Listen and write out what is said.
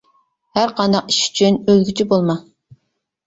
ھەر قانداق ئىش ئۈچۈن ئۆلگۈچى بولما.